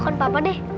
bukan apa apa deh